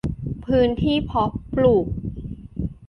พื้นที่เพาะปลูก